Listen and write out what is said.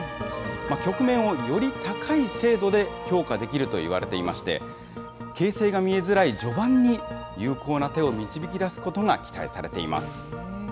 局面をより高い精度で評価できるといわれていまして、形勢が見えづらい序盤に有効な手を導き出すことが期待されています。